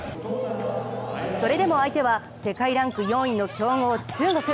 それでも相手は世界ランク４位の強豪・中国。